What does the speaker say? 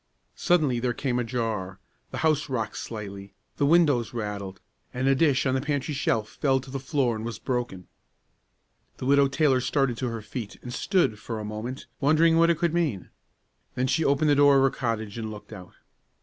Suddenly there came a jar, the house rocked slightly, the windows rattled, and a dish on the pantry shelf fell to the floor and was broken. The Widow Taylor started to her feet, and stood, for a moment, wondering what it could mean. Then she opened the door of her cottage and looked out.